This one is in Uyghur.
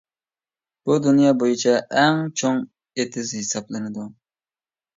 بۇ دۇنيا بويىچە ئەڭ چوڭ ئېتىز ھېسابلىنىدۇ.